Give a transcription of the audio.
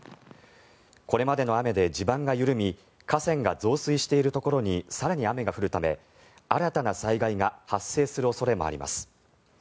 これまでの雨で地盤が緩み河川が増水しているところに更に雨が降るため新たな災害が発生する恐れもあります。